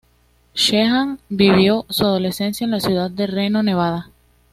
Sheehan vivió su adolescencia en la ciudad de Reno, Nevada.